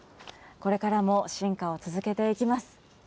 これからも進化を続けていきます。